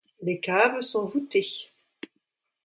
Les caves sont voûtées.